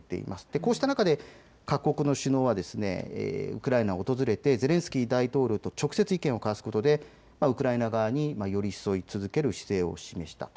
こうした中で各国の首脳はウクライナを訪れてゼレンスキー大統領と直接意見を交わすことでウクライナ側に寄り添い続ける姿勢を示したと。